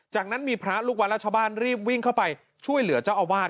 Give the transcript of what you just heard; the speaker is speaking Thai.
จากนั้นมีพระลูกวัดและชาวบ้านรีบวิ่งเข้าไปช่วยเหลือเจ้าอาวาส